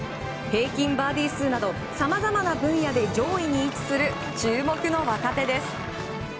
平均バーディー数などさまざまな分野で上位に位置する注目の若手です。